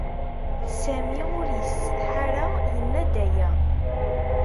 Sami ur yessetḥa ara, yenna-d aya.